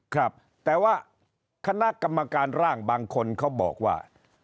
ครับแต่ว่าคณะกรรมการร่างบางคนเขาบอกว่า